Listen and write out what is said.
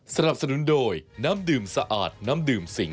สนับสนุนโดยน้ำดื่มสะอาดน้ำดื่มสิง